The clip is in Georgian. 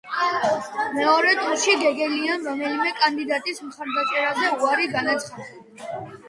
მეორე ტურში გეგელიამ რომელიმე კანდიდატის მხარდაჭერაზე უარი განაცხადა.